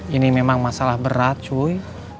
ini memang masalah berat cuy